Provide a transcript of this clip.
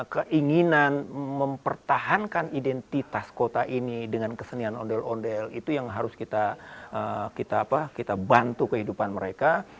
keinginan mempertahankan identitas kota ini dengan kesenian ondel ondel itu yang harus kita bantu kehidupan mereka